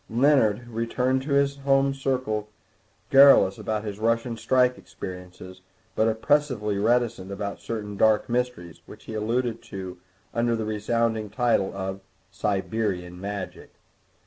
Leonard returned to his home circle garrulous about his Russian strike experiences, but oppressively reticent about certain dark mysteries, which he alluded to under the resounding title of Siberian Magic.